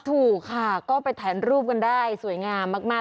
ถูกค่ะก็ไปถ่ายรูปกันได้สวยงามมาก